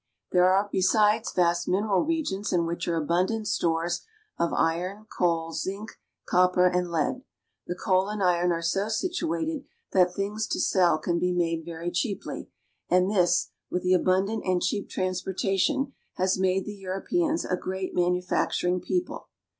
There are, besides, vast mineral regions in which are abundant stores of iron, coal, zinc, copper, and lead. The coal and iron are so situated that things to sell can be made very cheaply, and this, with the abundant and cheap transportation, has made the Europeans a great manufac turing people.